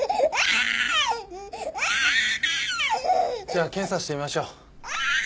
じゃあ検査してみましょう。